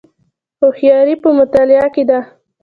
هوښیاري په مطالعې کې ده